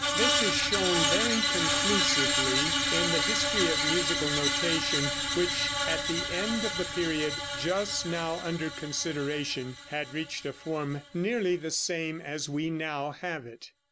This is shown very conclusively in the history of musical notation, which, at the end of the period just now under consideration, had reached a form nearly the same as we now have it.